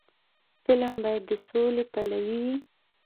فلم باید د سولې پلوي وي